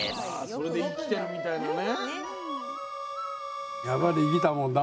それで生きてるみたいなね。